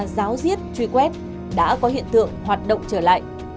giáo diết truy quét đã có hiện tượng hoạt động trở lại